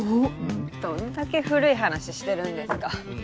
どんだけ古い話してるんですか。